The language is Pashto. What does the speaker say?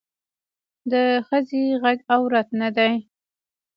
د ښخي غږ عورت نه دی